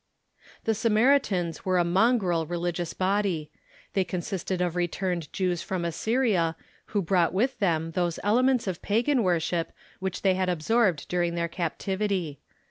The Samaritans were a mongrel religious body. They con sisted of returned Jews from Assyria, who brought with them those elements of pagan Avorship which they had al) sorbed during their captivity.